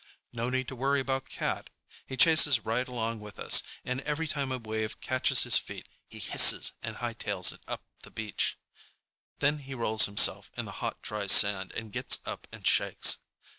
No need to worry about Cat. He chases right along with us, and every time a wave catches his feet he hisses and hightails it up the beach. Then he rolls himself in the hot, dry sand and gets up and shakes.